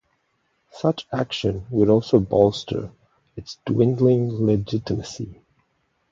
Such action would also bolster its dwindling legitimacy.